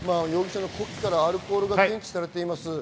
さらに容疑者の呼気からアルコールが検知されています。